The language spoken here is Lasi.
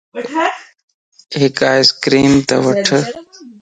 ھينک آئس ڪريم تووڻ